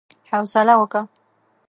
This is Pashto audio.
حوصله وکه!